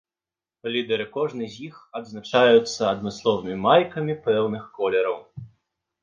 Лідары кожнай з іх адзначаюцца адмысловымі майкамі пэўных колераў.